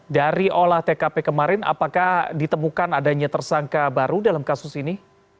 dari olah tkp kemarin apakah ditemukan adanya tersangka baru dalam kasus ini